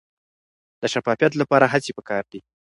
د شفافیت لپاره هڅې پکار دي.